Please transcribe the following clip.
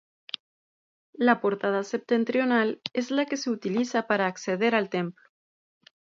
La portada septentrional es la que se utiliza para acceder al templo.